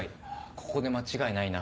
ここで間違いないな。